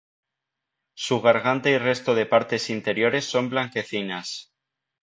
Su garganta y resto de partes interiores son blanquecinas.